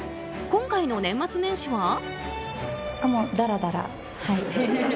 今回の年末年始は。